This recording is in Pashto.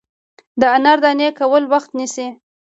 د انار دانې کول وخت نیسي.